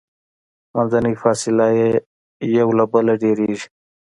منځنۍ فاصله یې یو له بله ډیریږي.